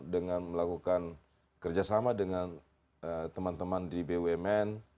dengan melakukan kerjasama dengan teman teman di bumn